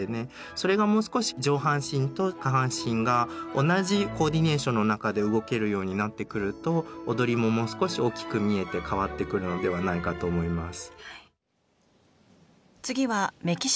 それがもう少し上半身と下半身が同じコーディネーションの中で動けるようになってくると踊りももう少し大きく見えて変わってくるのではないかと思います。